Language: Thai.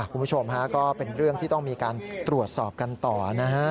คุณผู้ชมฮะก็เป็นเรื่องที่ต้องมีการตรวจสอบกันต่อนะฮะ